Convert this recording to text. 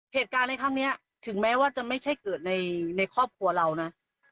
เหตุการณ์ในครั้งนี้ถึงแม้ว่าจะไม่ใช่เกิดในครอบครัวเรานะ